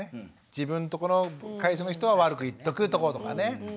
自分とこの会社の人は悪く言っとこうとかね。